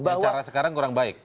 cara sekarang kurang baik